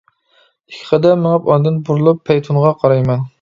ئىككى قەدەم مېڭىپ، ئاندىن بۇرۇلۇپ پەيتۇنغا قارايمەن.